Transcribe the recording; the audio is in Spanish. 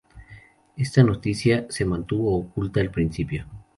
Esta noticia se mantuvo oculta al principio.